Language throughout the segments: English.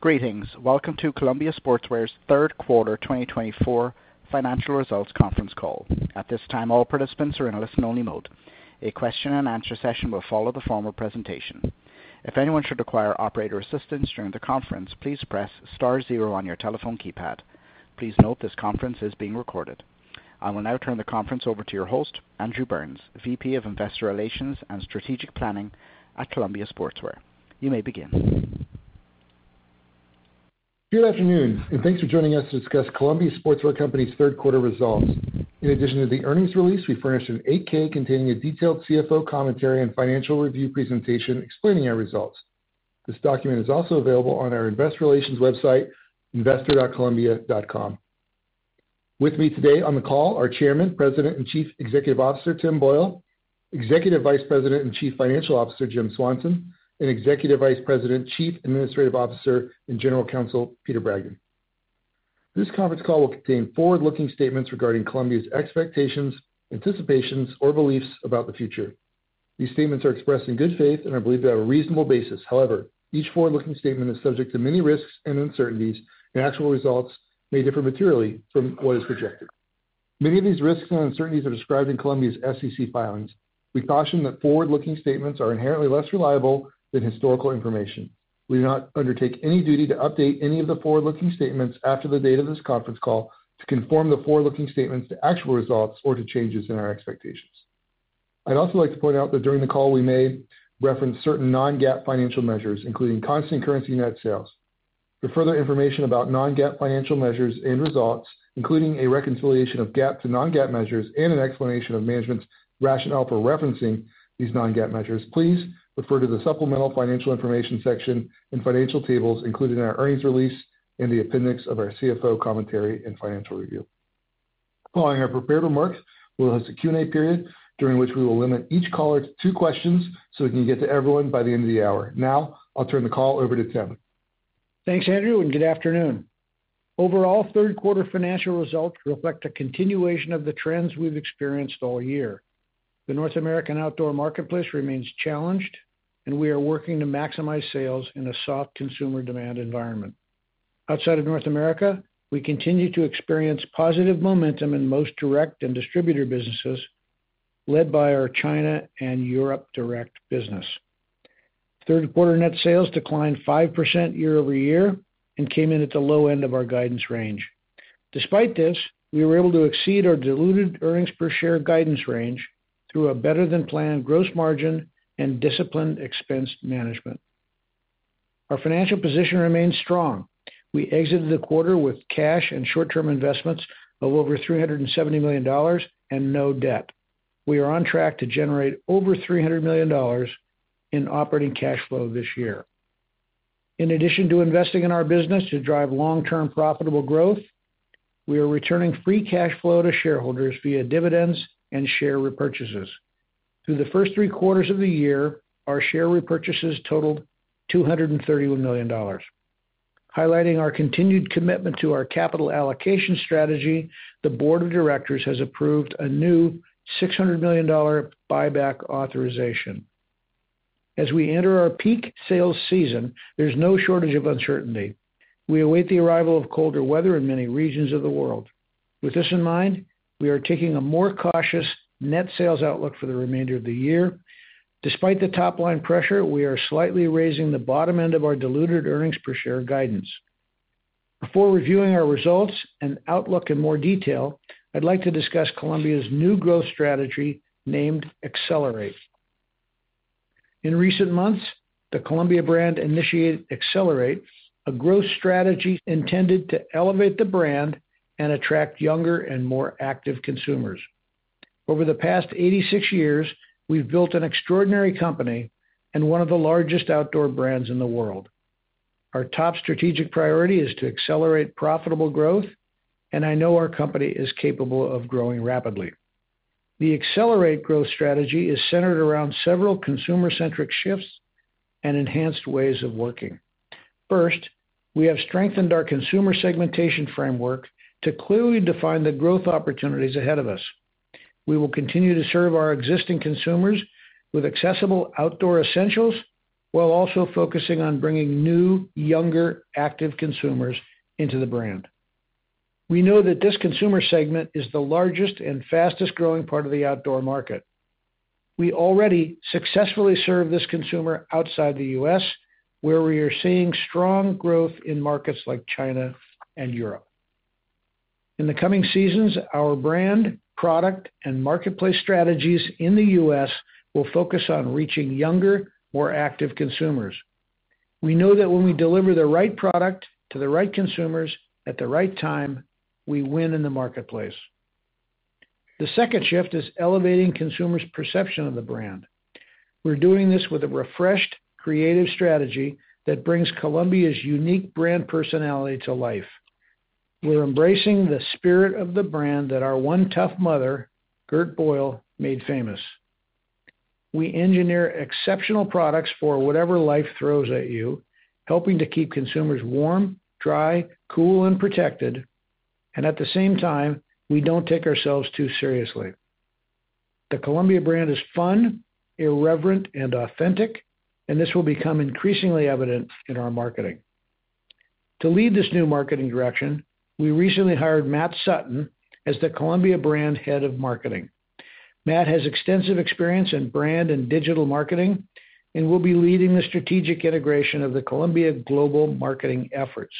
Greetings. Welcome to Columbia Sportswear's Third Quarter 2024 Financial Results Conference Call. At this time, all participants are in a listen-only mode. A question-and-answer session will follow the formal presentation. If anyone should require operator assistance during the conference, please press star zero on your telephone keypad. Please note this conference is being recorded. I will now turn the conference over to your host, Andrew Burns, VP of Investor Relations and Strategic Planning at Columbia Sportswear. You may begin. Good afternoon, and thanks for joining us to discuss Columbia Sportswear Company's third quarter results. In addition to the earnings release, we furnished an 8-K containing a detailed CFO commentary and financial review presentation explaining our results. This document is also available on our Investor Relations website, investor.columbia.com. With me today on the call are Chairman, President, and Chief Executive Officer Tim Boyle, Executive Vice President and Chief Financial Officer Jim Swanson, and Executive Vice President, Chief Administrative Officer, and General Counsel Peter Bragdon. This conference call will contain forward-looking statements regarding Columbia's expectations, anticipations, or beliefs about the future. These statements are expressed in good faith, and I believe they have a reasonable basis. However, each forward-looking statement is subject to many risks and uncertainties, and actual results may differ materially from what is projected. Many of these risks and uncertainties are described in Columbia's SEC filings. We caution that forward-looking statements are inherently less reliable than historical information. We do not undertake any duty to update any of the forward-looking statements after the date of this conference call to conform the forward-looking statements to actual results or to changes in our expectations. I'd also like to point out that during the call, we may reference certain non-GAAP financial measures, including constant currency net sales. For further information about non-GAAP financial measures and results, including a reconciliation of GAAP to non-GAAP measures and an explanation of management's rationale for referencing these non-GAAP measures, please refer to the supplemental financial information section and financial tables included in our earnings release and the appendix of our CFO commentary and financial review. Following our prepared remarks, we'll host a Q&A period during which we will limit each caller to two questions so we can get to everyone by the end of the hour. Now, I'll turn the call over to Tim. Thanks, Andrew, and good afternoon. Overall, third quarter financial results reflect a continuation of the trends we've experienced all year. The North American outdoor marketplace remains challenged, and we are working to maximize sales in a soft consumer demand environment. Outside of North America, we continue to experience positive momentum in most direct and distributor businesses led by our China and Europe direct business. Third quarter net sales declined 5% year over year and came in at the low end of our guidance range. Despite this, we were able to exceed our diluted earnings per share guidance range through a better-than-planned gross margin and disciplined expense management. Our financial position remains strong. We exited the quarter with cash and short-term investments of over $370 million and no debt. We are on track to generate over $300 million in operating cash flow this year. In addition to investing in our business to drive long-term profitable growth, we are returning free cash flow to shareholders via dividends and share repurchases. Through the first three quarters of the year, our share repurchases totaled $231 million. Highlighting our continued commitment to our capital allocation strategy, the board of directors has approved a new $600 million buyback authorization. As we enter our peak sales season, there's no shortage of uncertainty. We await the arrival of colder weather in many regions of the world. With this in mind, we are taking a more cautious net sales outlook for the remainder of the year. Despite the top-line pressure, we are slightly raising the bottom end of our diluted earnings per share guidance. Before reviewing our results and outlook in more detail, I'd like to discuss Columbia's new growth strategy named ACCELERATE. In recent months, the Columbia brand initiated ACCELERATE, a growth strategy intended to elevate the brand and attract younger and more active consumers. Over the past 86 years, we've built an extraordinary company and one of the largest outdoor brands in the world. Our top strategic priority is to accelerate profitable growth, and I know our company is capable of growing rapidly. The ACCELERATE Growth Strategy is centered around several consumer-centric shifts and enhanced ways of working. First, we have strengthened our consumer segmentation framework to clearly define the growth opportunities ahead of us. We will continue to serve our existing consumers with accessible outdoor essentials while also focusing on bringing new, younger, active consumers into the brand. We know that this consumer segment is the largest and fastest-growing part of the outdoor market. We already successfully serve this consumer outside the U.S., where we are seeing strong growth in markets like China and Europe. In the coming seasons, our brand, product, and marketplace strategies in the U.S. will focus on reaching younger, more active consumers. We know that when we deliver the right product to the right consumers at the right time, we win in the marketplace. The second shift is elevating consumers' perception of the brand. We're doing this with a refreshed, creative strategy that brings Columbia's unique brand personality to life. We're embracing the spirit of the brand that our One Tough Mother, Gert Boyle, made famous. We engineer exceptional products for whatever life throws at you, helping to keep consumers warm, dry, cool, and protected, and at the same time, we don't take ourselves too seriously. The Columbia brand is fun, irreverent, and authentic, and this will become increasingly evident in our marketing. To lead this new marketing direction, we recently hired Matt Sutton as the Columbia Brand Head of Marketing. Matt has extensive experience in brand and digital marketing and will be leading the strategic integration of the Columbia global marketing efforts.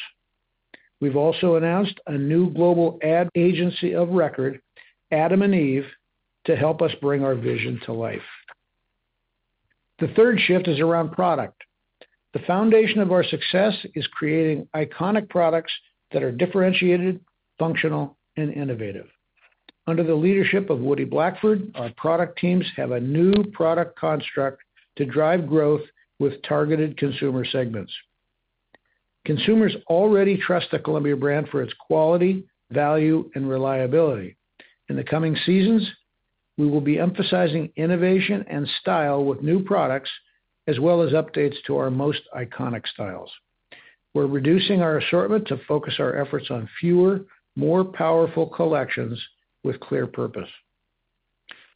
We've also announced a new global ad agency of record, adam&eveDDB, to help us bring our vision to life. The third shift is around product. The foundation of our success is creating iconic products that are differentiated, functional, and innovative. Under the leadership of Woody Blackford, our product teams have a new product construct to drive growth with targeted consumer segments. Consumers already trust the Columbia brand for its quality, value, and reliability. In the coming seasons, we will be emphasizing innovation and style with new products, as well as updates to our most iconic styles. We're reducing our assortment to focus our efforts on fewer, more powerful collections with clear purpose.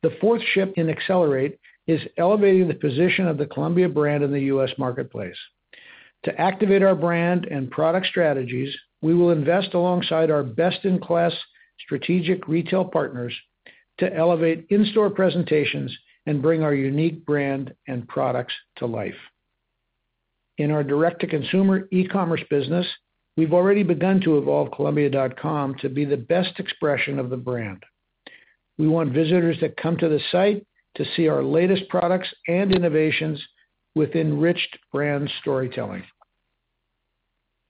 The fourth shift in ACCELERATE is elevating the position of the Columbia brand in the U.S. marketplace. To activate our brand and product strategies, we will invest alongside our best-in-class strategic retail partners to elevate in-store presentations and bring our unique brand and products to life. In our direct-to-consumer e-commerce business, we've already begun to evolve Columbia.com to be the best expression of the brand. We want visitors to come to the site to see our latest products and innovations with enriched brand storytelling.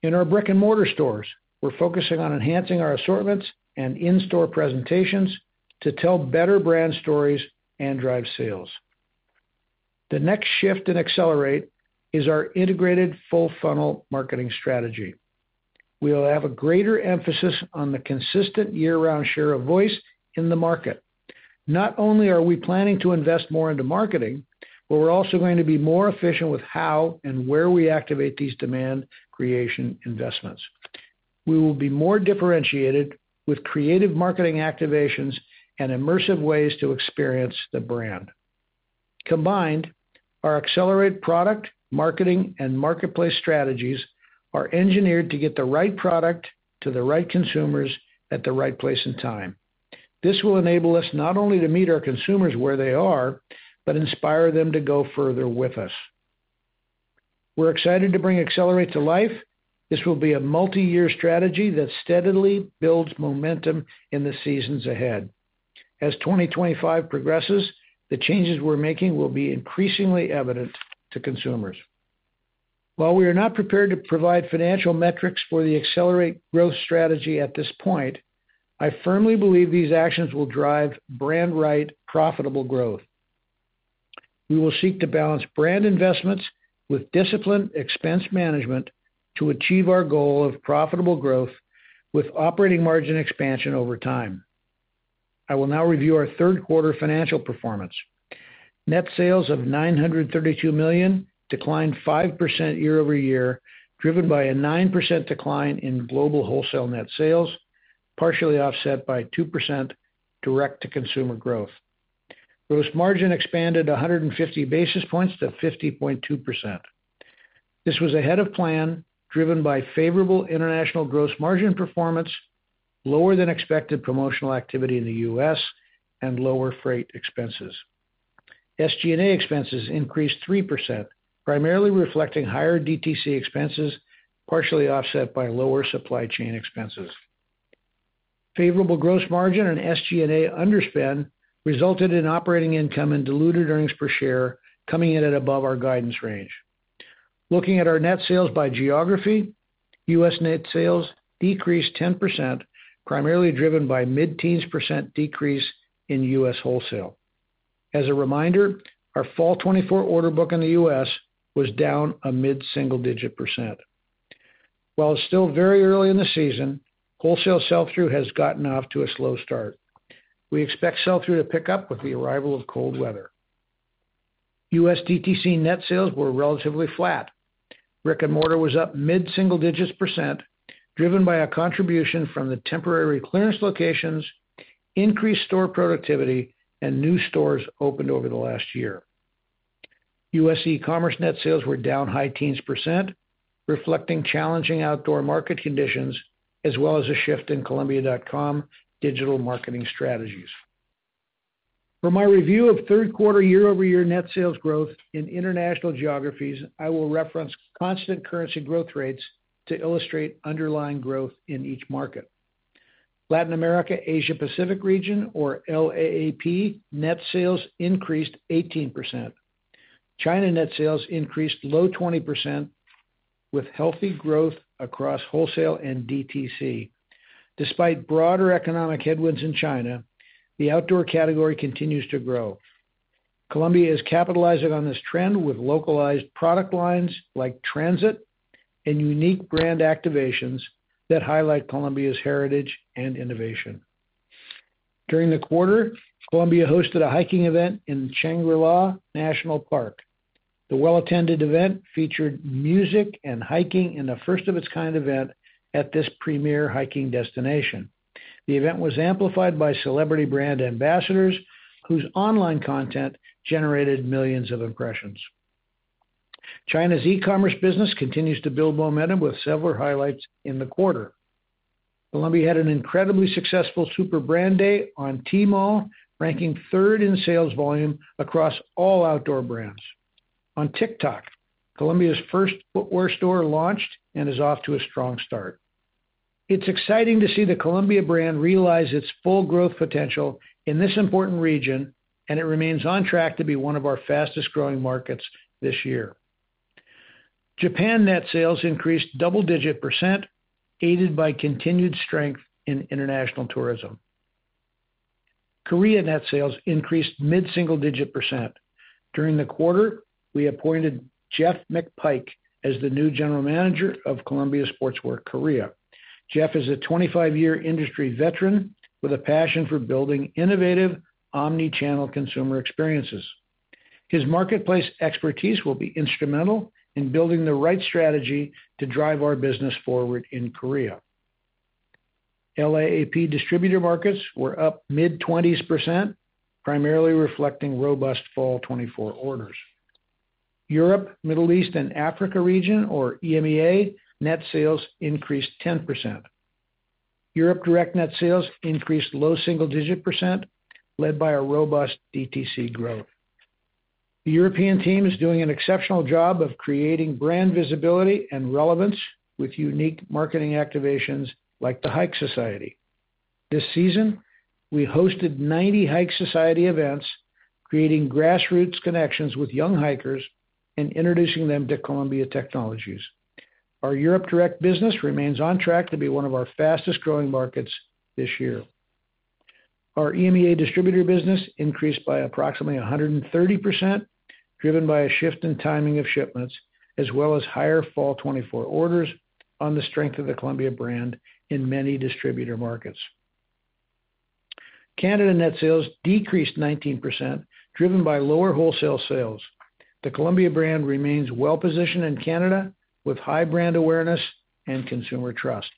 In our brick-and-mortar stores, we're focusing on enhancing our assortments and in-store presentations to tell better brand stories and drive sales. The next shift in ACCELERATE is our integrated full-funnel marketing strategy. We will have a greater emphasis on the consistent year-round share of voice in the market. Not only are we planning to invest more into marketing, but we're also going to be more efficient with how and where we activate these demand creation investments. We will be more differentiated with creative marketing activations and immersive ways to experience the brand. Combined, our ACCELERATE product, marketing, and marketplace strategies are engineered to get the right product to the right consumers at the right place and time. This will enable us not only to meet our consumers where they are, but inspire them to go further with us. We're excited to bring ACCELERATE to life. This will be a multi-year strategy that steadily builds momentum in the seasons ahead. As 2025 progresses, the changes we're making will be increasingly evident to consumers. While we are not prepared to provide financial metrics for the ACCELERATE Growth Strategy at this point, I firmly believe these actions will drive brand-right profitable growth. We will seek to balance brand investments with disciplined expense management to achieve our goal of profitable growth with operating margin expansion over time. I will now review our third quarter financial performance. Net sales of $932 million declined 5% year-over-year, driven by a 9% decline in global wholesale net sales, partially offset by 2% direct-to-consumer growth. Gross margin expanded 150 basis points to 50.2%. This was ahead of plan, driven by favorable international gross margin performance, lower-than-expected promotional activity in the U.S., and lower freight expenses. SG&A expenses increased 3%, primarily reflecting higher DTC expenses, partially offset by lower supply chain expenses. Favorable gross margin and SG&A underspend resulted in operating income and diluted earnings per share coming in at above our guidance range. Looking at our net sales by geography, U.S. net sales decreased 10%, primarily driven by mid-teens % decrease in U.S. wholesale. As a reminder, our fall 2024 order book in the U.S. was down a mid-single-digit %. While it's still very early in the season, wholesale sell-through has gotten off to a slow start. We expect sell-through to pick up with the arrival of cold weather. U.S. DTC net sales were relatively flat. Brick-and-mortar was up mid-single-digits %, driven by a contribution from the temporary clearance locations, increased store productivity, and new stores opened over the last year. U.S. e-commerce net sales were down high teens %, reflecting challenging outdoor market conditions, as well as a shift in Columbia.com digital marketing strategies. For my review of third quarter year-over-year net sales growth in international geographies, I will reference constant currency growth rates to illustrate underlying growth in each market. Latin America-Asia-Pacific region, or LAAP, net sales increased 18%. China net sales increased low 20%, with healthy growth across wholesale and DTC. Despite broader economic headwinds in China, the outdoor category continues to grow. Columbia is capitalizing on this trend with localized product lines like Transit and unique brand activations that highlight Columbia's heritage and innovation. During the quarter, Columbia hosted a hiking event in Shangri-La National Park. The well-attended event featured music and hiking in a first-of-its-kind event at this premier hiking destination. The event was amplified by celebrity brand ambassadors, whose online content generated millions of impressions. China's e-commerce business continues to build momentum with several highlights in the quarter. Columbia had an incredibly successful Super Brand Day on Tmall, ranking third in sales volume across all outdoor brands. On TikTok, Columbia's first footwear store launched and is off to a strong start. It's exciting to see the Columbia brand realize its full growth potential in this important region, and it remains on track to be one of our fastest-growing markets this year. Japan net sales increased double-digit %, aided by continued strength in international tourism. Korea net sales increased mid-single-digit %. During the quarter, we appointed Jeff McPike as the new General Manager of Columbia Sportswear Korea. Jeff is a 25-year industry veteran with a passion for building innovative omnichannel consumer experiences. His marketplace expertise will be instrumental in building the right strategy to drive our business forward in Korea. LAAP distributor markets were up mid-20s %, primarily reflecting robust fall 2024 orders. Europe, Middle East, and Africa region, or EMEA, net sales increased 10%. Europe direct net sales increased low single-digit %, led by a robust DTC growth. The European team is doing an exceptional job of creating brand visibility and relevance with unique marketing activations like the Hike Society. This season, we hosted 90 Hike Society events, creating grassroots connections with young hikers and introducing them to Columbia Technologies. Our Europe direct business remains on track to be one of our fastest-growing markets this year. Our EMEA distributor business increased by approximately 130%, driven by a shift in timing of shipments, as well as higher fall 2024 orders on the strength of the Columbia brand in many distributor markets. Canada net sales decreased 19%, driven by lower wholesale sales. The Columbia brand remains well-positioned in Canada with high brand awareness and consumer trust.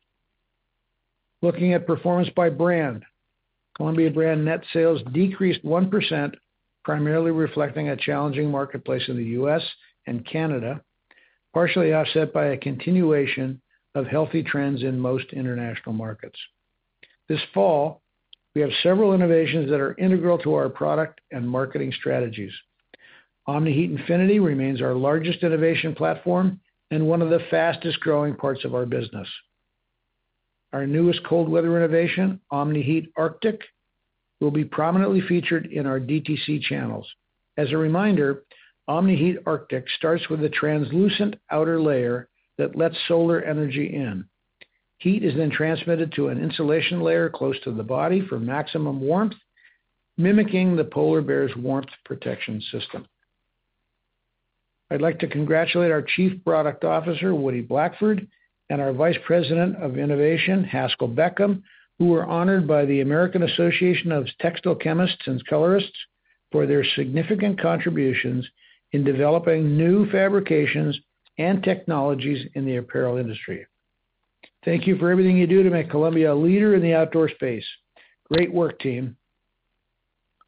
Looking at performance by brand, Columbia brand net sales decreased 1%, primarily reflecting a challenging marketplace in the U.S. and Canada, partially offset by a continuation of healthy trends in most international markets. This fall, we have several innovations that are integral to our product and marketing strategies. Omni-Heat Infinity remains our largest innovation platform and one of the fastest-growing parts of our business. Our newest cold weather innovation, Omni-Heat Arctic, will be prominently featured in our DTC channels. As a reminder, Omni-Heat Arctic starts with a translucent outer layer that lets solar energy in. Heat is then transmitted to an insulation layer close to the body for maximum warmth, mimicking the polar bear's warmth protection system. I'd like to congratulate our Chief Product Officer, Woody Blackford, and our Vice President of Innovation, Haskell Beckham, who were honored by the American Association of Textile Chemists and Colorists for their significant contributions in developing new fabrications and technologies in the apparel industry. Thank you for everything you do to make Columbia a leader in the outdoor space. Great work, team.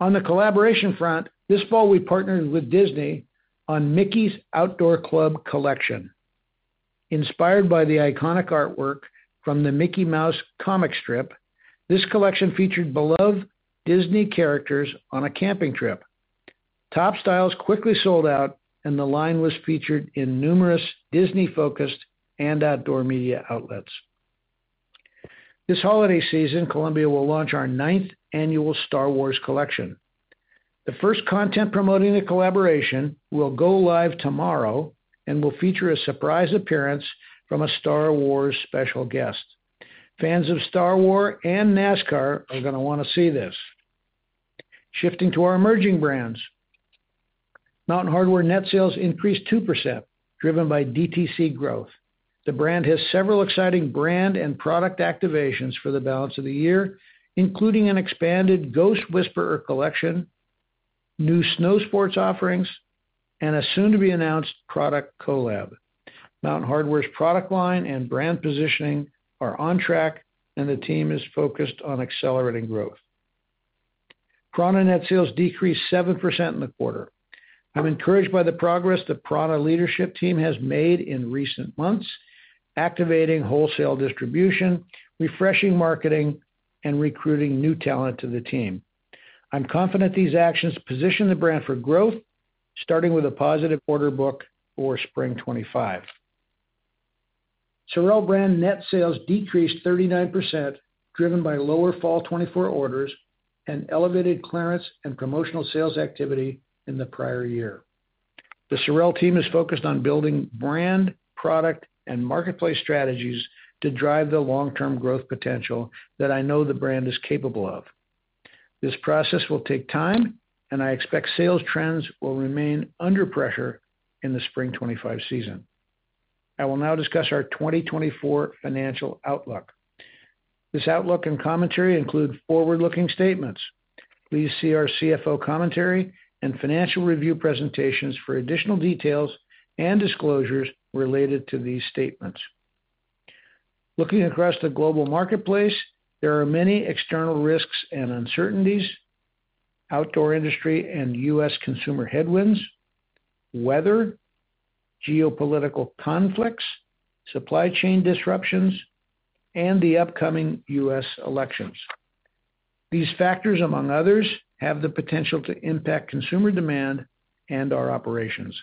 On the collaboration front, this fall we partnered with Disney on Mickey's Outdoor Club Collection. Inspired by the iconic artwork from the Mickey Mouse comic strip, this collection featured beloved Disney characters on a camping trip. Top styles quickly sold out, and the line was featured in numerous Disney-focused and outdoor media outlets. This holiday season, Columbia will launch our ninth annual Star Wars collection. The first content promoting the collaboration will go live tomorrow and will feature a surprise appearance from a Star Wars special guest. Fans of Star Wars and NASCAR are going to want to see this. Shifting to our emerging brands, Mountain Hardwear net sales increased 2%, driven by DTC growth. The brand has several exciting brand and product activations for the balance of the year, including an expanded Ghost Whisperer collection, new snow sports offerings, and a soon-to-be-announced product collab. Mountain Hardwear's product line and brand positioning are on track, and the team is focused on accelerating growth. prAna net sales decreased 7% in the quarter. I'm encouraged by the progress the prAna leadership team has made in recent months, activating wholesale distribution, refreshing marketing, and recruiting new talent to the team. I'm confident these actions position the brand for growth, starting with a positive order book for spring 2025. SOREL brand net sales decreased 39%, driven by lower fall 2024 orders and elevated clearance and promotional sales activity in the prior year. The SOREL team is focused on building brand, product, and marketplace strategies to drive the long-term growth potential that I know the brand is capable of. This process will take time, and I expect sales trends will remain under pressure in the spring 2025 season. I will now discuss our 2024 financial outlook. This outlook and commentary include forward-looking statements. Please see our CFO commentary and financial review presentations for additional details and disclosures related to these statements. Looking across the global marketplace, there are many external risks and uncertainties, outdoor industry and U.S. consumer headwinds, weather, geopolitical conflicts, supply chain disruptions, and the upcoming U.S. elections. These factors, among others, have the potential to impact consumer demand and our operations.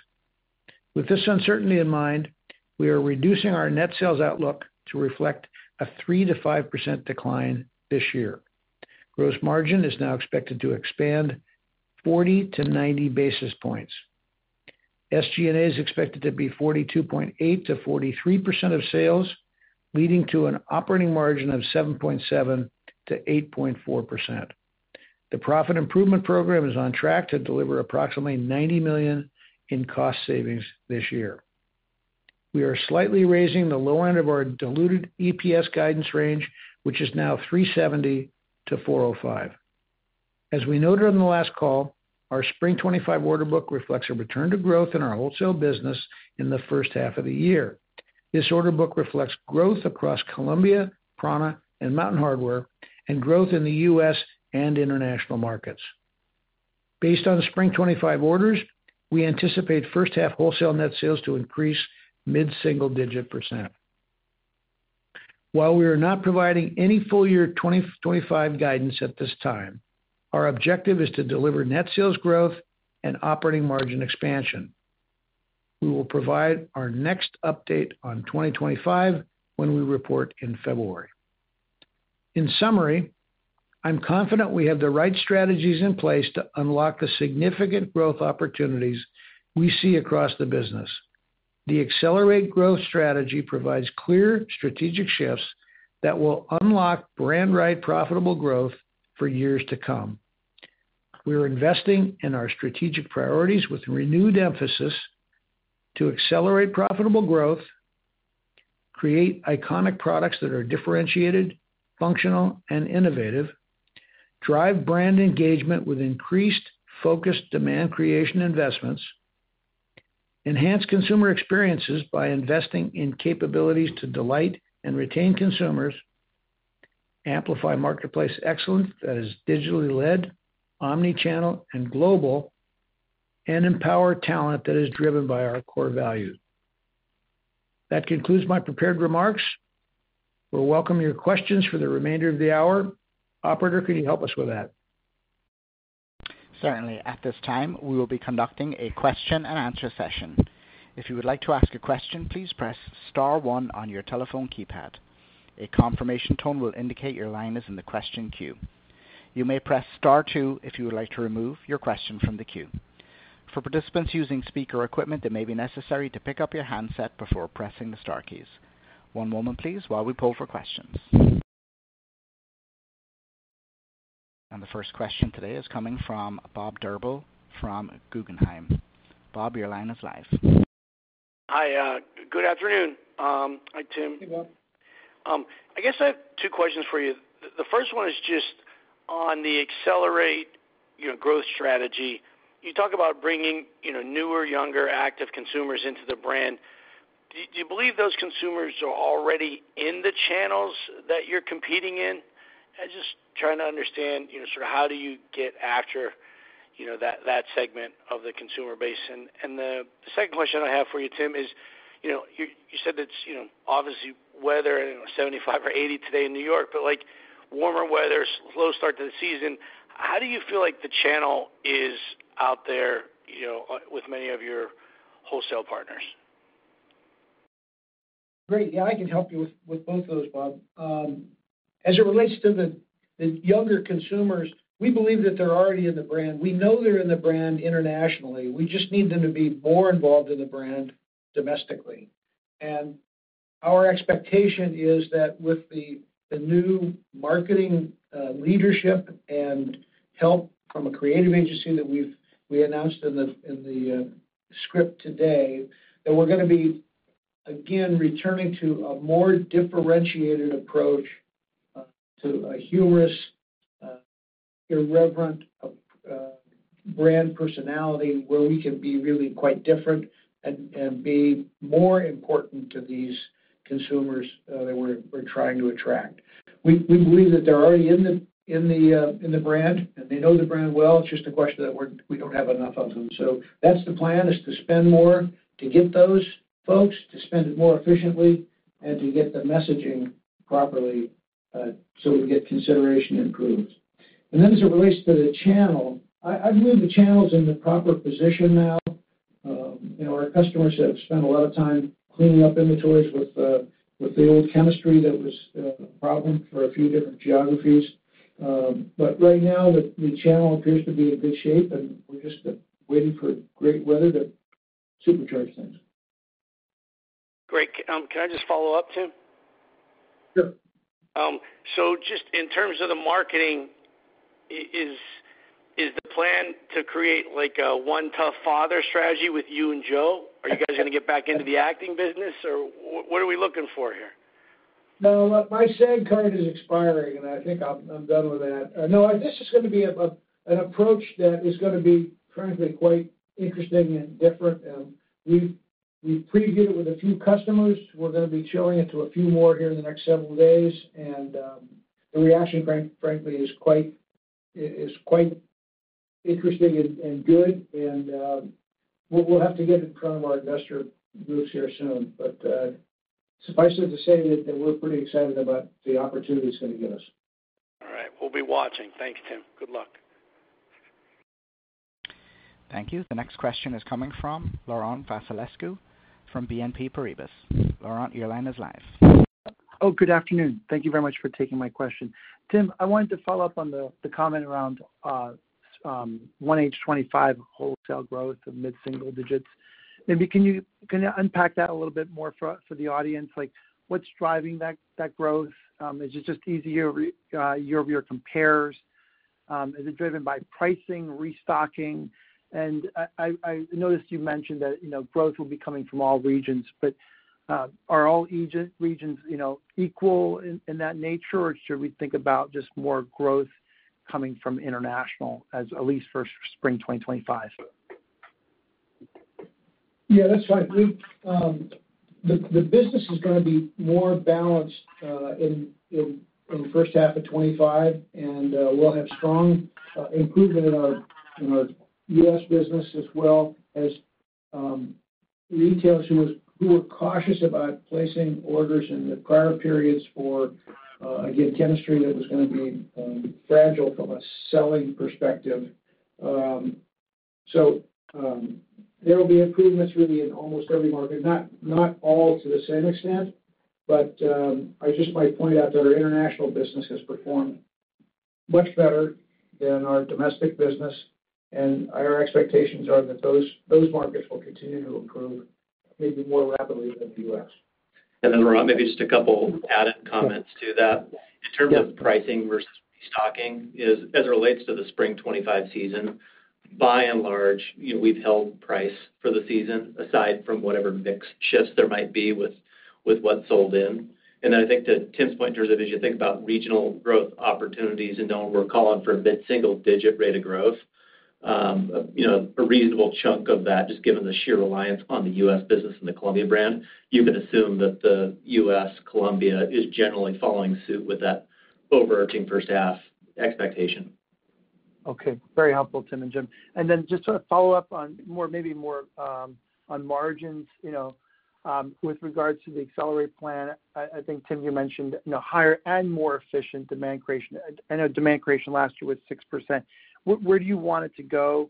With this uncertainty in mind, we are reducing our net sales outlook to reflect a 3%-5% decline this year. Gross margin is now expected to expand 40-90 basis points. SG&A is expected to be 42.8%-43% of sales, leading to an operating margin of 7.7%-8.4%. The profit improvement program is on track to deliver approximately $90 million in cost savings this year. We are slightly raising the low end of our diluted EPS guidance range, which is now $3.70-$4.05. As we noted on the last call, our spring 2025 order book reflects a return to growth in our wholesale business in the first half of the year. This order book reflects growth across Columbia, prAna, and Mountain Hardwear, and growth in the U.S. and international markets. Based on spring 2025 orders, we anticipate first-half wholesale net sales to increase mid-single-digit %. While we are not providing any full year 2025 guidance at this time, our objective is to deliver net sales growth and operating margin expansion. We will provide our next update on 2025 when we report in February. In summary, I'm confident we have the right strategies in place to unlock the significant growth opportunities we see across the business. The ACCELERATE Growth Strategy provides clear strategic shifts that will unlock brand-right profitable growth for years to come. We are investing in our strategic priorities with renewed emphasis to accelerate profitable growth, create iconic products that are differentiated, functional, and innovative, drive brand engagement with increased focused demand creation investments, enhance consumer experiences by investing in capabilities to delight and retain consumers, amplify marketplace excellence that is digitally led, omnichannel, and global, and empower talent that is driven by our core values. That concludes my prepared remarks. We'll welcome your questions for the remainder of the hour. Operator, can you help us with that? Certainly. At this time, we will be conducting a question-and-answer session. If you would like to ask a question, please press Star 1 on your telephone keypad. A confirmation tone will indicate your line is in the question queue. You may press Star 2 if you would like to remove your question from the queue. For participants using speaker equipment, it may be necessary to pick up your handset before pressing the star keys. One moment, please, while we pull for questions. And the first question today is coming from Bob Drbul from Guggenheim. Bob, your line is live. Hi. Good afternoon. Hi, Tim. Hey, Bob. I guess I have two questions for you. The first one is just on the ACCELERATE Growth Strategy. You talk about bringing newer, younger, active consumers into the brand. Do you believe those consumers are already in the channels that you're competing in? I'm just trying to understand sort of how do you get after that segment of the consumer base. And the second question I have for you, Tim, is you said it's obviously weather, 75 or 80 today in New York, but warmer weather, slow start to the season. How do you feel like the channel is out there with many of your wholesale partners? Great. Yeah, I can help you with both of those, Bob. As it relates to the younger consumers, we believe that they're already in the brand. We know they're in the brand internationally. We just need them to be more involved in the brand domestically. Our expectation is that with the new marketing leadership and help from a creative agency that we announced in the script today, that we're going to be, again, returning to a more differentiated approach to a humorous, irreverent brand personality where we can be really quite different and be more important to these consumers that we're trying to attract. We believe that they're already in the brand, and they know the brand well. It's just a question that we don't have enough of them. So that's the plan, is to spend more to get those folks, to spend it more efficiently, and to get the messaging properly so we get consideration improved. And then as it relates to the channel, I believe the channel's in the proper position now. Our customers have spent a lot of time cleaning up inventories with the old chemistry that was a problem for a few different geographies. But right now, the channel appears to be in good shape, and we're just waiting for great weather to supercharge things. Great. Can I just follow up, Tim? Sure. So just in terms of the marketing, is the plan to create a one-tough-father strategy with you and Joe? Are you guys going to get back into the acting business, or what are we looking for here? No, my SAG card is expiring, and I think I'm done with that. No, this is going to be an approach that is going to be, frankly, quite interesting and different. We've previewed it with a few customers. We're going to be showing it to a few more here in the next several days. And the reaction, frankly, is quite interesting and good. And we'll have to get in front of our investor groups here soon. But suffice it to say that we're pretty excited about the opportunity it's going to give us. All right. We'll be watching. Thanks, Tim. Good luck. Thank you. The next question is coming from Laurent Vasilescu, from BNP Paribas. Laurent, your line is live. Oh, good afternoon. Thank you very much for taking my question. Tim, I wanted to follow up on the comment around 1H25 wholesale growth of mid-single digits. Maybe can you unpack that a little bit more for the audience? What's driving that growth? Is it just easier comps? Is it driven by pricing, restocking? And I noticed you mentioned that growth will be coming from all regions. But are all regions equal in that nature, or should we think about just more growth coming from international, at least for spring 2025? Yeah, that's fine. The business is going to be more balanced in the first half of 2025, and we'll have strong improvement in our U.S. business as well as retailers who were cautious about placing orders in the prior periods for, again, chemistry that was going to be fragile from a selling perspective. So there will be improvements really in almost every market. Not all to the same extent, but I just might point out that our international business has performed much better than our domestic business. And our expectations are that those markets will continue to improve maybe more rapidly than the U.S. And then, Laurent, maybe just a couple added comments to that. In terms of pricing versus restocking, as it relates to the spring 2025 season, by and large, we've held price for the season aside from whatever mixed shifts there might be with what's sold in. And then I think to Tim's point in terms of, as you think about regional growth opportunities and knowing we're calling for a mid-single-digit rate of growth, a reasonable chunk of that, just given the sheer reliance on the U.S. business and the Columbia brand, you can assume that the U.S. Columbia is generally following suit with that overarching first-half expectation. Okay. Very helpful, Tim and Jim. And then just to follow up on maybe more on margins with regards to the ACCELERATE plan, I think, Tim, you mentioned higher and more efficient demand creation. I know demand creation last year was 6%. Where do you want it to go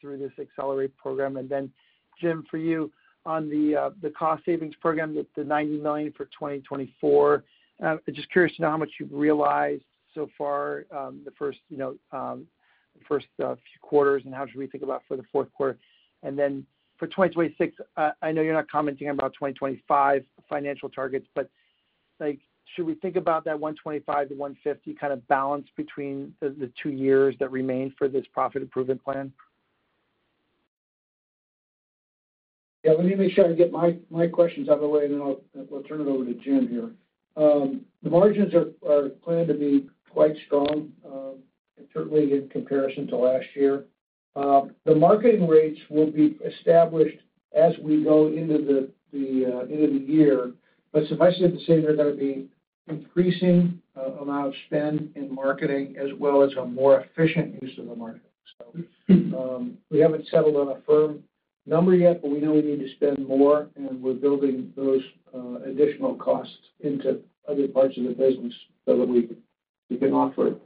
through this ACCELERATE program? And then, Jim, for you on the cost savings program, the $90 million for 2024, I'm just curious to know how much you've realized so far, the first few quarters, and how should we think about for the fourth quarter? And then for 2026, I know you're not commenting about 2025 financial targets, but should we think about that $125 million-$150 million kind of balance between the two years that remain for this profit improvement plan? Yeah, let me make sure I get my questions out of the way, and then we'll turn it over to Jim here. The margins are planned to be quite strong, certainly in comparison to last year. The marketing rates will be established as we go into the year. But suffice it to say, they're going to be increasing the amount of spend in marketing as well as a more efficient use of the market. We haven't settled on a firm number yet, but we know we need to spend more, and we're building those additional costs into other parts of the business so that we can offer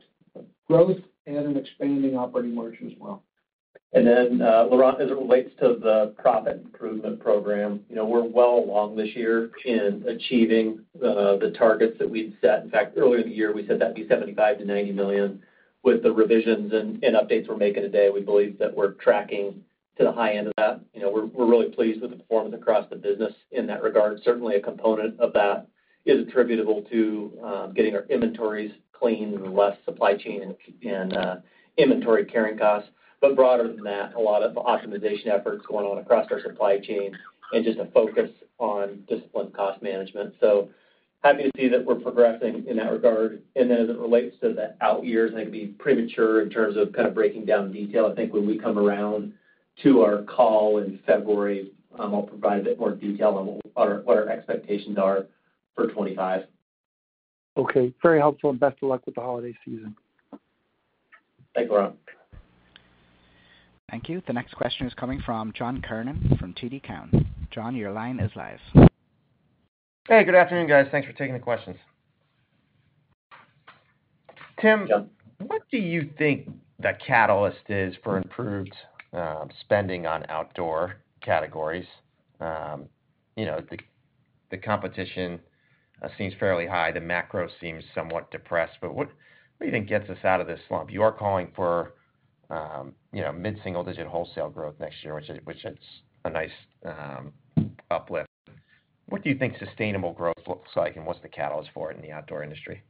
growth and an expanding operating margin as well. And then, Laurent, as it relates to the profit improvement program, we're well along this year in achieving the targets that we've set. In fact, earlier in the year, we said that'd be $75 million-$90 million. With the revisions and updates we're making today, we believe that we're tracking to the high end of that. We're really pleased with the performance across the business in that regard. Certainly, a component of that is attributable to getting our inventories cleaned and less supply chain and inventory carrying costs. But broader than that, a lot of optimization efforts going on across our supply chain and just a focus on disciplined cost management. So happy to see that we're progressing in that regard. And then as it relates to the out years, I'd be premature in terms of kind of breaking down detail. I think when we come around to our call in February, I'll provide a bit more detail on what our expectations are for 2025. Okay. Very helpful, and best of luck with the holiday season. Thanks, Laurent. Thank you. The next question is coming from John Kernan from TD Cowen. John, your line is live. Hey, good afternoon, guys. Thanks for taking the questions. Tim, what do you think the catalyst is for improved spending on outdoor categories? The competition seems fairly high. The macro seems somewhat depressed. But what do you think gets us out of this slump? You are calling for mid-single-digit wholesale growth next year, which is a nice uplift. What do you think sustainable growth looks like, and what's the catalyst for it in the outdoor industry?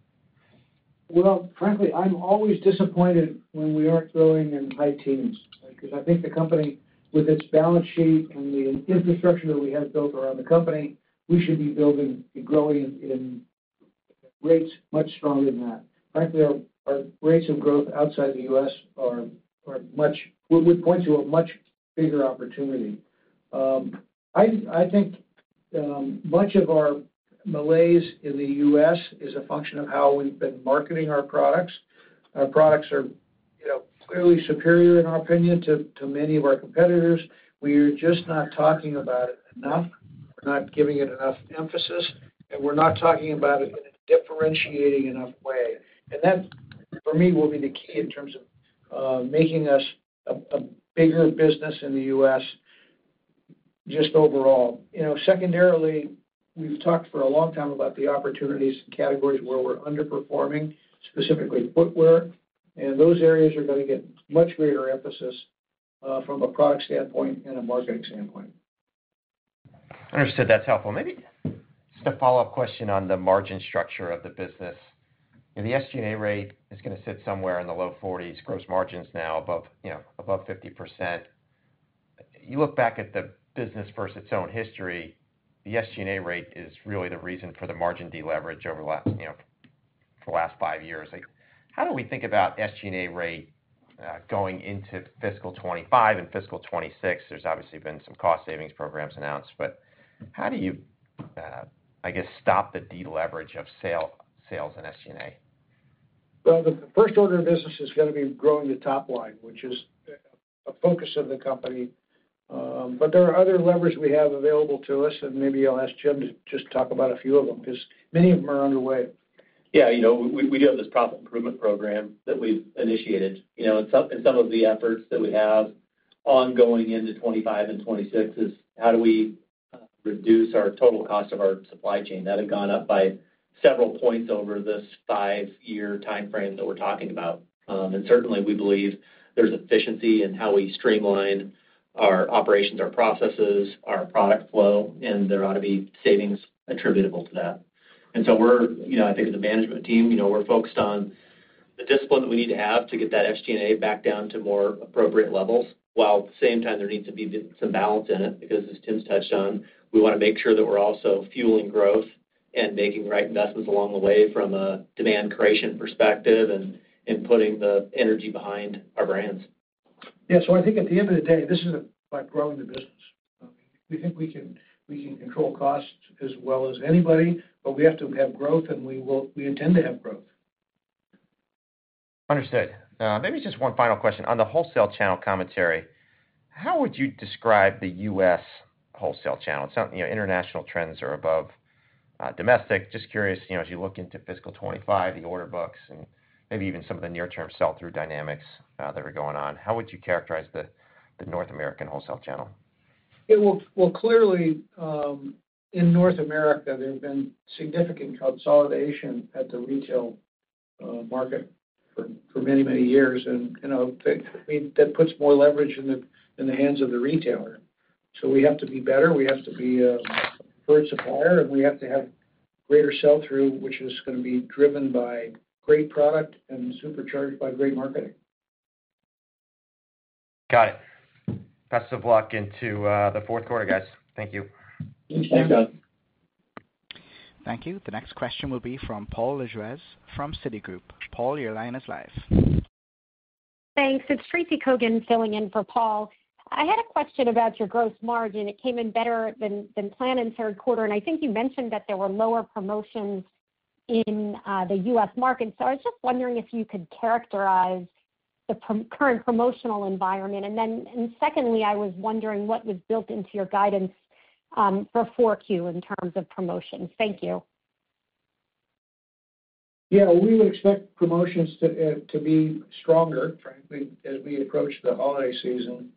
Well, frankly, I'm always disappointed when we aren't growing in high teens because I think the company, with its balance sheet and the infrastructure that we have built around the company, we should be growing in rates much stronger than that. Frankly, our rates of growth outside the U.S. would point to a much bigger opportunity. I think much of our malaise in the U.S. is a function of how we've been marketing our products. Our products are clearly superior, in our opinion, to many of our competitors. We are just not talking about it enough. We're not giving it enough emphasis, and we're not talking about it in a differentiating enough way. And that, for me, will be the key in terms of making us a bigger business in the U.S. just overall. Secondarily, we've talked for a long time about the opportunities and categories where we're underperforming, specifically footwear. And those areas are going to get much greater emphasis from a product standpoint and a marketing standpoint. Understood. That's helpful. Maybe just a follow-up question on the margin structure of the business. The SG&A rate is going to sit somewhere in the low 40s. Gross margins now above 50%. You look back at the business versus its own history, the SG&A rate is really the reason for the margin deleverage over the last five years. How do we think about SG&A rate going into fiscal 2025 and fiscal 2026? There's obviously been some cost savings programs announced, but how do you, I guess, stop the deleverage of sales in SG&A? Well, the first order of business is going to be growing the top line, which is a focus of the company. But there are other levers we have available to us, and maybe I'll ask Jim to just talk about a few of them because many of them are underway. Yeah. We do have this profit improvement program that we've initiated. And some of the efforts that we have ongoing into 2025 and 2026 is how do we reduce our total cost of our supply chain? That had gone up by several points over this five-year timeframe that we're talking about. And certainly, we believe there's efficiency in how we streamline our operations, our processes, our product flow, and there ought to be savings attributable to that. And so I think as a management team, we're focused on the discipline that we need to have to get that SG&A back down to more appropriate levels. While at the same time, there needs to be some balance in it because, as Tim's touched on, we want to make sure that we're also fueling growth and making the right investments along the way from a demand creation perspective and putting the energy behind our brands. Yeah. So I think at the end of the day, this is about growing the business. We think we can control costs as well as anybody, but we have to have growth, and we intend to have growth. Understood. Maybe just one final question. On the wholesale channel commentary, how would you describe the U.S. wholesale channel? International trends are above domestic. Just curious, as you look into fiscal 2025, the order books, and maybe even some of the near-term sell-through dynamics that are going on, how would you characterize the North American wholesale channel? Well, clearly, in North America, there have been significant consolidation at the retail market for many, many years. And I think that puts more leverage in the hands of the retailer. So we have to be better. We have to be a preferred supplier, and we have to have greater sell-through, which is going to be driven by great product and supercharged by great marketing. Got it. Best of luck into the fourth quarter, guys. Thank you. Thanks, John. Thank you. The next question will be from Paul Lejuez from Citigroup. Paul, your line is live. Thanks. It's Tracy Kogan filling in for Paul. I had a question about your gross margin. It came in better than planned in third quarter. And I think you mentioned that there were lower promotions in the U.S. market. So I was just wondering if you could characterize the current promotional environment. And then secondly, I was wondering what was built into your guidance for 4Q in terms of promotions. Thank you. Yeah. We would expect promotions to be stronger, frankly, as we approach the holiday season.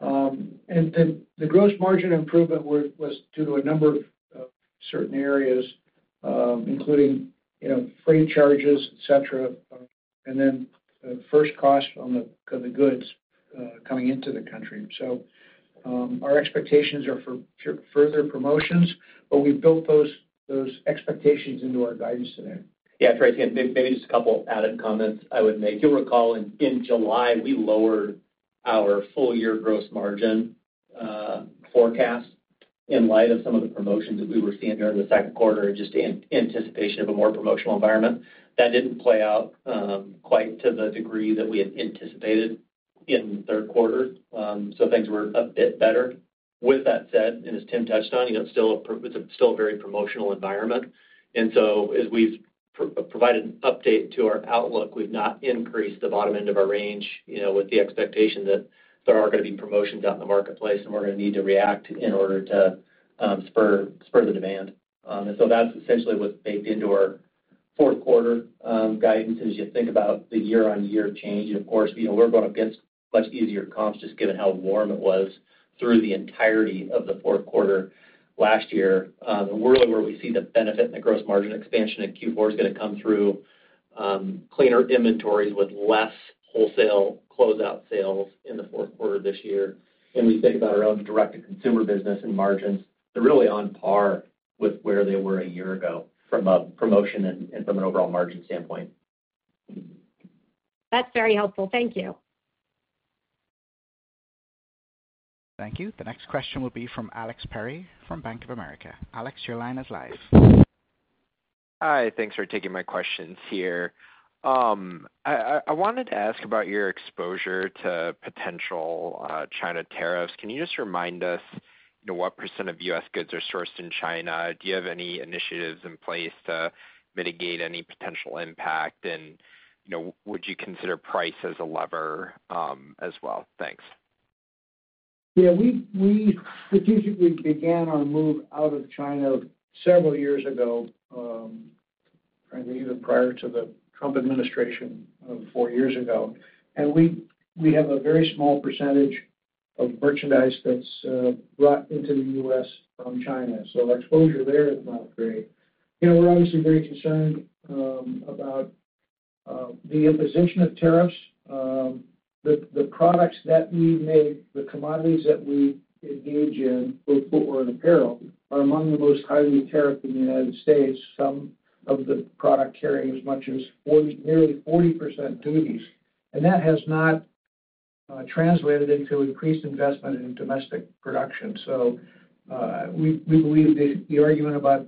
And the gross margin improvement was due to a number of certain areas, including freight charges, etc., and then first cost on the goods coming into the country. So our expectations are for further promotions, but we've built those expectations into our guidance today. Yeah, Tracy, and maybe just a couple added comments I would make. You'll recall in July, we lowered our full-year gross margin forecast in light of some of the promotions that we were seeing during the second quarter and just in anticipation of a more promotional environment. That didn't play out quite to the degree that we had anticipated in the third quarter. So things were a bit better. With that said, and as Tim touched on, it's still a very promotional environment. And so as we've provided an update to our outlook, we've not increased the bottom end of our range with the expectation that there are going to be promotions out in the marketplace and we're going to need to react in order to spur the demand. And so that's essentially what's baked into our fourth quarter guidance as you think about the year-on-year change. And of course, we're going to get much easier comps just given how warm it was through the entirety of the fourth quarter last year. And really where we see the benefit in the gross margin expansion in Q4 is going to come through cleaner inventories with less wholesale closeout sales in the fourth quarter this year. And when you think about our own direct-to-consumer business and margins, they're really on par with where they were a year ago from a promotion and from an overall margin standpoint. That's very helpful. Thank you. Thank you. The next question will be from Alex Perry from Bank of America. Alex, your line is live. Hi. Thanks for taking my questions here. I wanted to ask about your exposure to potential China tariffs. Can you just remind us what % of U.S. goods are sourced in China? Do you have any initiatives in place to mitigate any potential impact? And would you consider price as a lever as well? Thanks. Yeah. We began our move out of China several years ago, frankly, even prior to the Trump administration four years ago. And we have a very small percentage of merchandise that's brought into the U.S. from China. So our exposure there is not great. We're obviously very concerned about the imposition of tariffs. The products that we make, the commodities that we engage in, both footwear and apparel, are among the most highly tariffed in the United States. Some of the product carrying as much as nearly 40% duties. And that has not translated into increased investment in domestic production. So we believe the argument about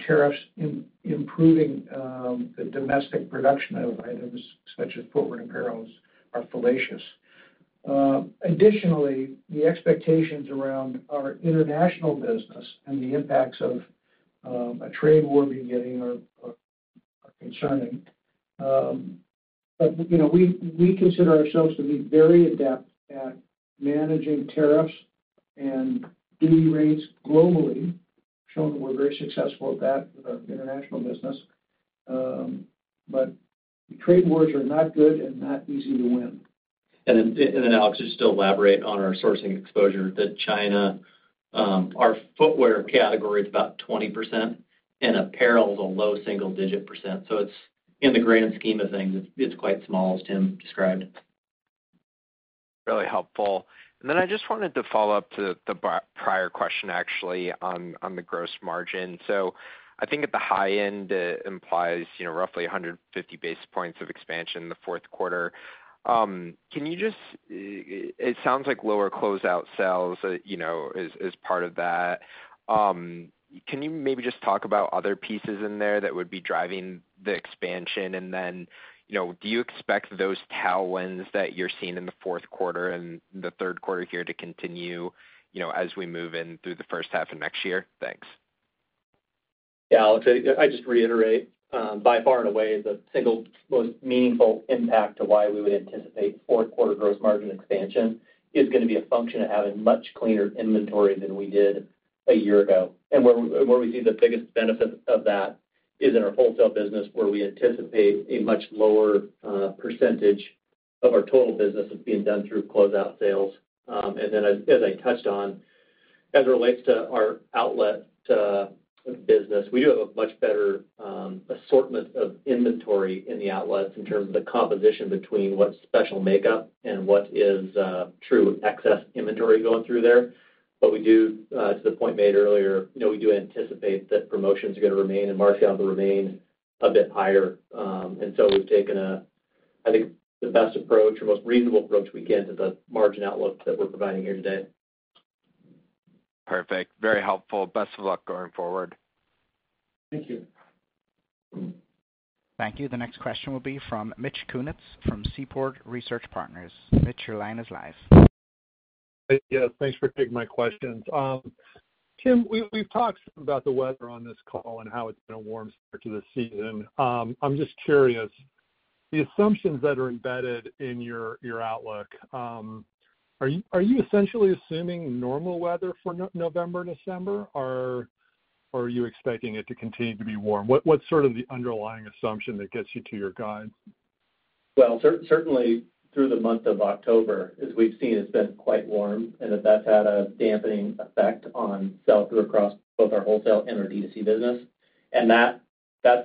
tariffs improving the domestic production of items such as footwear and apparel is fallacious. Additionally, the expectations around our international business and the impacts of a trade war beginning are concerning. But we consider ourselves to be very adept at managing tariffs and duty rates globally, showing that we're very successful at that with our international business. But trade wars are not good and not easy to win. And then, Alex, just to elaborate on our sourcing exposure to China, our footwear category is about 20%, and apparel is a low single-digit %. So in the grand scheme of things, it's quite small, as Tim described. Really helpful. And then I just wanted to follow up to the prior question, actually, on the gross margin. So I think at the high end, it implies roughly 150 basis points of expansion in the fourth quarter. Can you just, it sounds like lower closeout sales is part of that. Can you maybe just talk about other pieces in there that would be driving the expansion? And then do you expect those tailwinds that you're seeing in the fourth quarter and the third quarter here to continue as we move in through the first half of next year? Thanks. Yeah, Alex, I just reiterate, by far and away, the single most meaningful impact to why we would anticipate fourth-quarter gross margin expansion is going to be a function of having much cleaner inventory than we did a year ago. And where we see the biggest benefit of that is in our wholesale business, where we anticipate a much lower percentage of our total business is being done through closeout sales. And then, as I touched on, as it relates to our outlet business, we do have a much better assortment of inventory in the outlets in terms of the composition between what's special makeup and what is true excess inventory going through there. But we do, to the point made earlier, we do anticipate that promotions are going to remain, and margins will remain a bit higher. And so we've taken, I think, the best approach or most reasonable approach we can to the margin outlook that we're providing here today. Perfect. Very helpful. Best of luck going forward. Thank you. Thank you. The next question will be from Mitch Kummetz from Seaport Research Partners. Mitch, your line is live. Yes. Thanks for taking my questions. Tim, we've talked about the weather on this call and how it's been a warm start to the season. I'm just curious. The assumptions that are embedded in your outlook, are you essentially assuming normal weather for November, December, or are you expecting it to continue to be warm? What's sort of the underlying assumption that gets you to your guides? Well, certainly, through the month of October, as we've seen, it's been quite warm, and that's had a dampening effect on sales across both our wholesale and our DTC business. And that's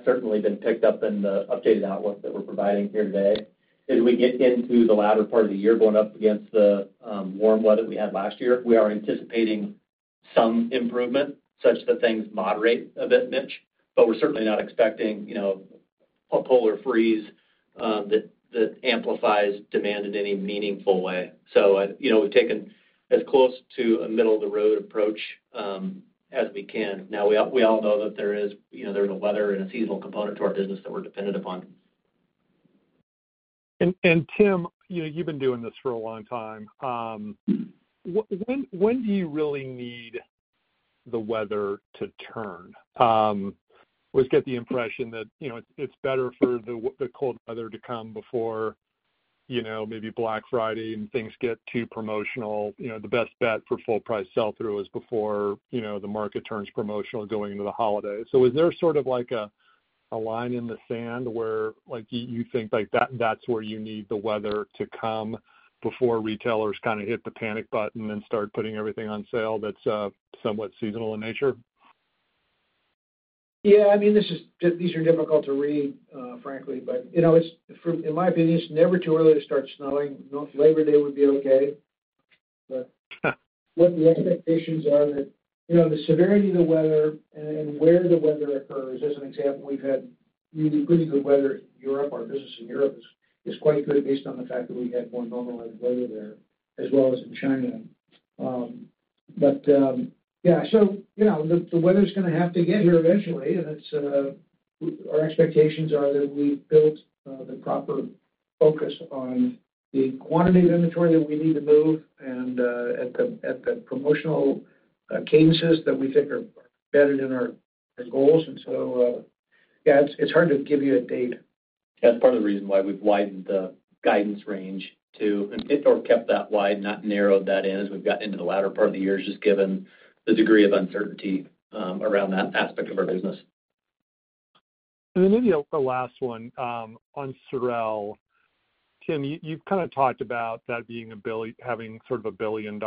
certainly been picked up in the updated outlook that we're providing here today. As we get into the latter part of the year going up against the warm weather we had last year, we are anticipating some improvement, such that things moderate a bit, Mitch. But we're certainly not expecting a polar freeze that amplifies demand in any meaningful way. So we've taken as close to a middle-of-the-road approach as we can. Now, we all know that there's a weather and a seasonal component to our business that we're dependent upon. And Tim, you've been doing this for a long time. When do you really need the weather to turn? We just get the impression that it's better for the cold weather to come before maybe Black Friday and things get too promotional. The best bet for full-price sell-through is before the market turns promotional going into the holidays, so is there sort of like a line in the sand where you think that's where you need the weather to come before retailers kind of hit the panic button and start putting everything on sale that's somewhat seasonal in nature? Yeah. I mean, these are difficult to read, frankly, but in my opinion, it's never too early to start snowing. Labor Day would be okay. But what the expectations are that the severity of the weather and where the weather occurs, as an example, we've had really pretty good weather in Europe. Our business in Europe is quite good based on the fact that we had more normal weather there as well as in China. But yeah, so the weather's going to have to get here eventually. And our expectations are that we've built the proper focus on the quantity of inventory that we need to move and at the promotional cadences that we think are embedded in our goals. And so yeah, it's hard to give you a date. That's part of the reason why we've widened the guidance range too and kept that wide, not narrowed that in as we've gotten into the latter part of the year just given the degree of uncertainty around that aspect of our business. Then maybe a last one on SOREL. Tim, you've kind of talked about that being having sort of a $1 billion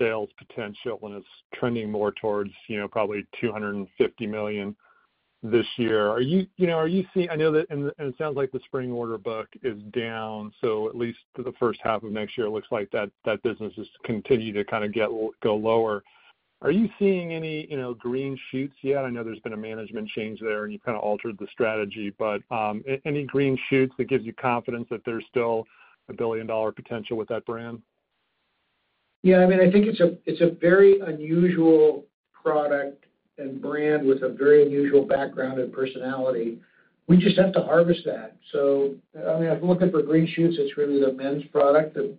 sales potential and it's trending more towards probably $250 million this year. Are you seeing? I know that it sounds like the spring order book is down, so at least the first half of next year looks like that business is continuing to kind of go lower. Are you seeing any green shoots yet? I know there's been a management change there and you've kind of altered the strategy, but any green shoots that gives you confidence that there's still a $1 billion potential with that brand? Yeah. I mean, I think it's a very unusual product and brand with a very unusual background and personality. We just have to harvest that. So I mean, if we're looking for green shoots, it's really the men's product that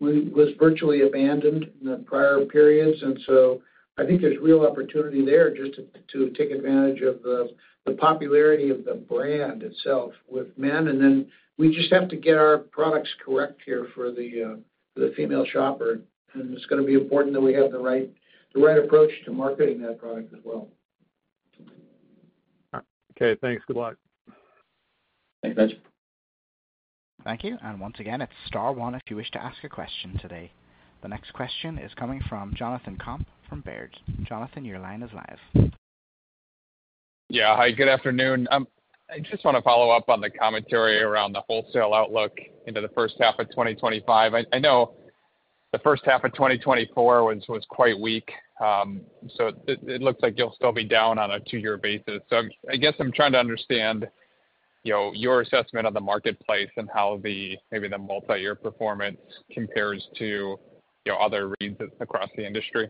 was virtually abandoned in the prior periods. And so I think there's real opportunity there just to take advantage of the popularity of the brand itself with men. And then we just have to get our products correct here for the female shopper. And it's going to be important that we have the right approach to marketing that product as well. Okay. Thanks. Good luck. Thanks, guys. Thank you. And once again, it's Star One if you wish to ask a question today. The next question is coming from Jonathan Komp from Baird. Jonathan, your line is live. Yeah. Hi. Good afternoon. I just want to follow up on the commentary around the wholesale outlook into the first half of 2025. I know the first half of 2024 was quite weak. So it looks like you'll still be down on a two-year basis. So I guess I'm trying to understand your assessment of the marketplace and how maybe the multi-year performance compares to other reads across the industry.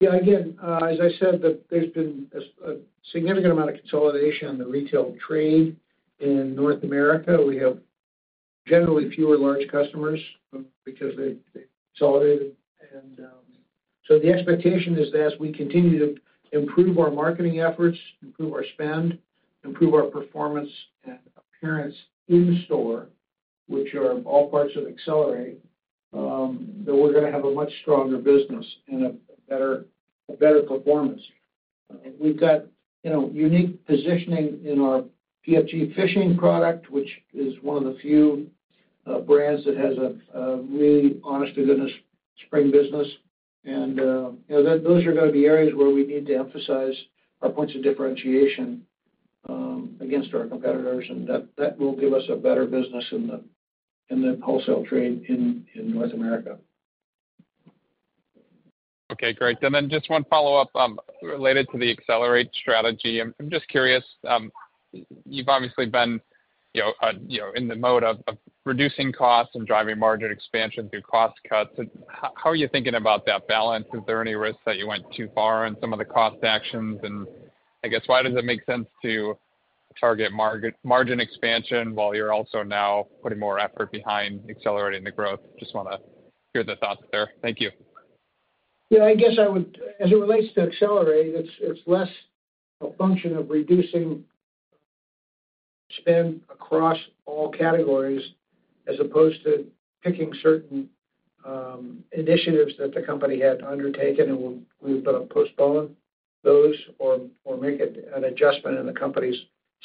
Yeah. Again, as I said, there's been a significant amount of consolidation in the retail trade in North America. We have generally fewer large customers because they've consolidated. And so the expectation is that as we continue to improve our marketing efforts, improve our spend, improve our performance and appearance in store, which are all parts of ACCELERATE, that we're going to have a much stronger business and a better performance. We've got unique positioning in our PFG fishing product, which is one of the few brands that has a really, honest to goodness, spring business. And those are going to be areas where we need to emphasize our points of differentiation against our competitors. And that will give us a better business in the wholesale trade in North America. Okay. Great. And then just one follow-up related to the ACCELERATE strategy. I'm just curious, you've obviously been in the mode of reducing costs and driving margin expansion through cost cuts. How are you thinking about that balance? Is there any risk that you went too far on some of the cost actions? And I guess, why does it make sense to target margin expansion while you're also now putting more effort behind accelerating the growth? Just want to hear the thoughts there. Thank you. Yeah. I guess as it relates to ACCELERATE, it's less a function of reducing spend across all categories as opposed to picking certain initiatives that the company had undertaken. And we've been postponing those or make an adjustment in the company's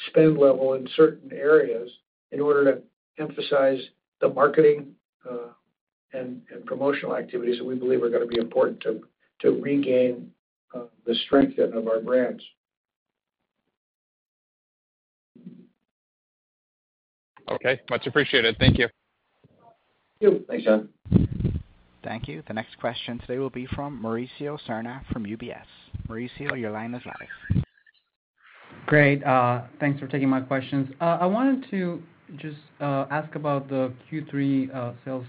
spend level in certain areas in order to emphasize the marketing and promotional activities that we believe are going to be important to regain the strength of our brands. Okay. Much appreciated. Thank you. Thanks, John. Thank you. The next question today will be from Mauricio Serna from UBS. Mauricio, your line is live. Great. Thanks for taking my questions. I wanted to just ask about the Q3 sales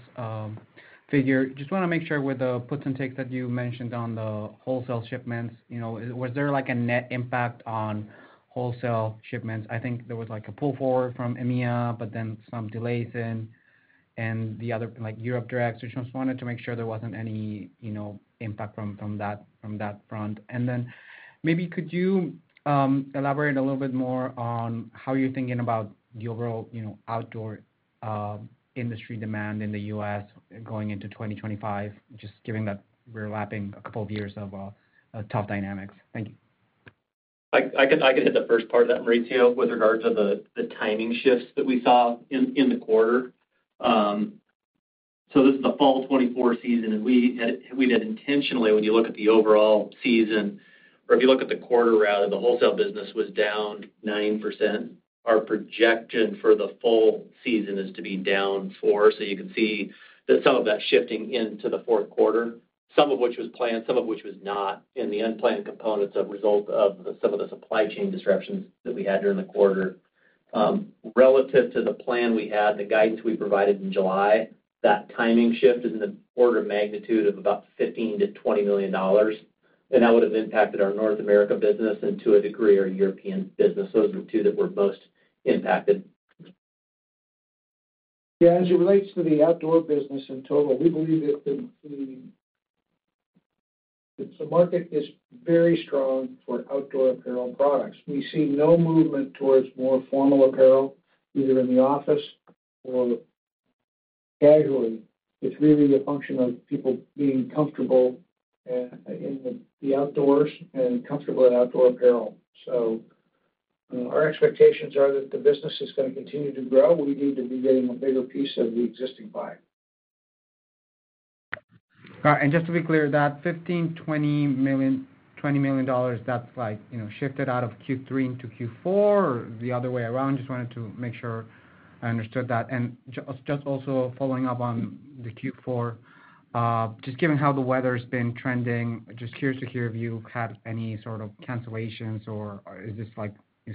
figure. Just want to make sure with the puts and takes that you mentioned on the wholesale shipments, was there a net impact on wholesale shipments? I think there was a pull forward from EMEA, but then some delays in the other Europe directs. I just wanted to make sure there wasn't any impact from that front. Then maybe could you elaborate a little bit more on how you're thinking about the overall outdoor industry demand in the U.S. going into 2025, just given that we're lapping a couple of years of tough dynamics? Thank you. I can hit the first part of that, Mauricio, with regard to the timing shifts that we saw in the quarter. This is the fall 2024 season. We had intentionally, when you look at the overall season, or if you look at the quarter rather, the wholesale business was down 9%. Our projection for the full season is to be down 4%. You can see that some of that shifting into the fourth quarter, some of which was planned, some of which was not, and the unplanned components as a result of some of the supply chain disruptions that we had during the quarter. Relative to the plan we had, the guidance we provided in July, that timing shift is in the order of magnitude of about $15 million-$20 million. And that would have impacted our North America business and to a degree our European business. Those are the two that were most impacted. Yeah. As it relates to the outdoor business in total, we believe that the market is very strong for outdoor apparel products. We see no movement towards more formal apparel, either in the office or casually. It's really a function of people being comfortable in the outdoors and comfortable in outdoor apparel. So our expectations are that the business is going to continue to grow. We need to be getting a bigger piece of the existing pie. Just to be clear, that $15-$20 million, that's shifted out of Q3 into Q4 or the other way around? Just wanted to make sure I understood that. Just also following up on the Q4, just given how the weather's been trending, just curious to hear if you've had any sort of cancellations or is this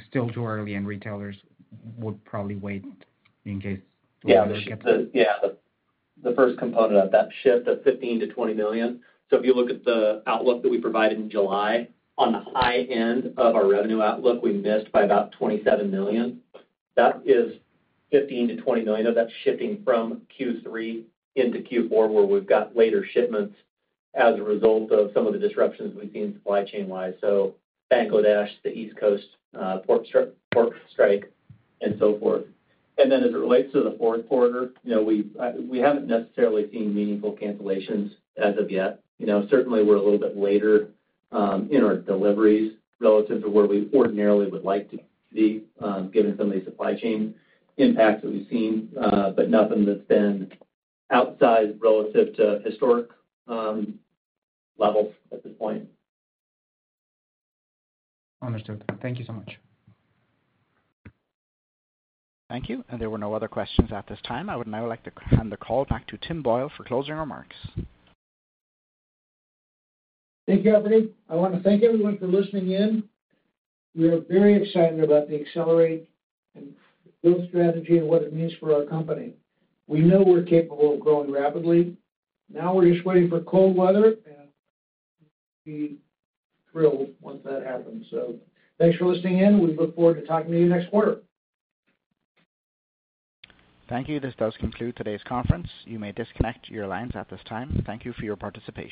still too early and retailers would probably wait in case they get the? Yeah. The first component of that shift of $15-$20 million. If you look at the outlook that we provided in July, on the high end of our revenue outlook, we missed by about $27 million. That is $15-$20 million of that shifting from Q3 into Q4 where we've got later shipments as a result of some of the disruptions we've seen supply chain-wise. So Bangladesh, the East Coast port strike, and so forth. And then as it relates to the fourth quarter, we haven't necessarily seen meaningful cancellations as of yet. Certainly, we're a little bit later in our deliveries relative to where we ordinarily would like to be given some of these supply chain impacts that we've seen, but nothing that's been outside relative to historic levels at this point. Understood. Thank you so much. Thank you. And there were no other questions at this time. I would now like to hand the call back to Tim Boyle for closing remarks. Thank you, Anthony. I want to thank everyone for listening in. We are very excited about the ACCELERATE and growth strategy and what it means for our company. We know we're capable of growing rapidly. Now we're just waiting for cold weather, and we'll be thrilled once that happens. So thanks for listening in. We look forward to talking to you next quarter. Thank you. This does conclude today's conference. You may disconnect your lines at this time. Thank you for your participation.